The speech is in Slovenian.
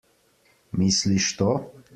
Misliš to?